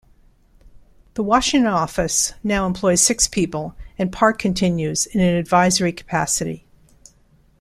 The Washington office now employs six people and Park continues in an advisory capacity.